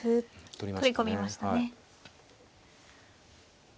取り込みましたね。